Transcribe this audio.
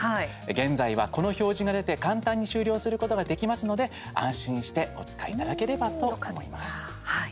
現在は、この表示が出て簡単に終了することができますので安心してお使いいただければと思います。